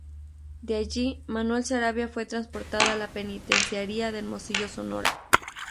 De allí Manuel Sarabia fue transportado a la penitenciaría de Hermosillo, Sonora.